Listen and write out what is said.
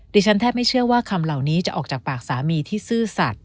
แทบไม่เชื่อว่าคำเหล่านี้จะออกจากปากสามีที่ซื่อสัตว